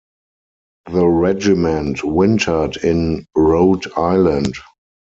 The regiment wintered in Rhode Island.